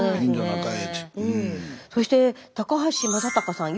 そして高橋正孝さん